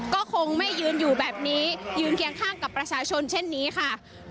ก็คงไม่ยืนอยู่แบบนี้ยืนเคียงข้างกับประชาชนเช่นนี้ค่ะ